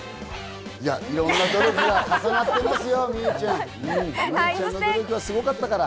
いろんな努力が重なってますよ、望結ちゃん。